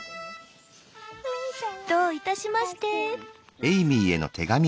「どういたしまして」。